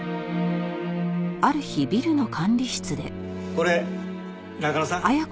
これ中野さん？